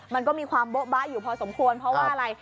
มันก็มีความโบ๊ะบ๊ะอยู่พอสมควรเพราะว่าอะไร